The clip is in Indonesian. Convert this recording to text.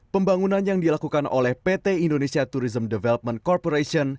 pembangunan yang dilakukan oleh pt indonesia tourism development corporation